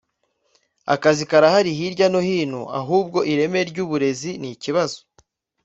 Akazi karahari hirya no hino ahubwo ireme ry’uburezi ni ikibazo